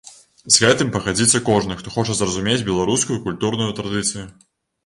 З гэтым пагодзіцца кожны, хто хоча зразумець беларускую культурную традыцыю.